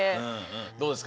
どうですか？